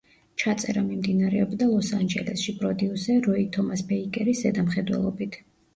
ჩაწერა მიმდინარეობდა ლოს-ანჯელესში, პროდიუსერ როი თომას ბეიკერის ზედამხედველობით.